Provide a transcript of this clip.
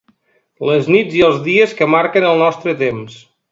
Les nits i els dies que marquen el nostre temps.